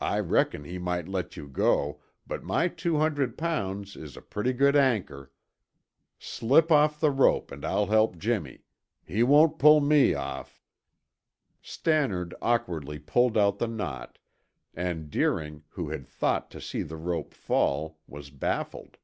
I reckon he might let you go, but my two hundred pounds is a pretty good anchor. Slip off the rope and I'll help Jimmy; he won't pull me off." Stannard awkwardly pulled out the knot, and Deering, who had thought to see the rope fall, was baffled.